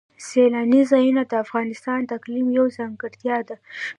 سیلاني ځایونه د افغانستان د اقلیم یوه ځانګړتیا ده.